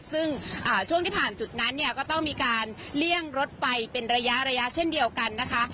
ซึ่งช่วงที่ผ่านจุดนั้นเนี่ยก็ต้องมีการเลี่ยงรถไปเป็นระยะระยะเช่นเดียวกันนะคะ